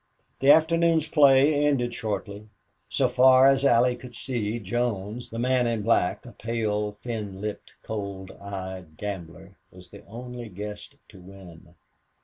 The afternoon's play ended shortly. So far as Allie could see, Jones, the man in black, a pale, thin lipped, cold eyed gambler, was the only guest to win.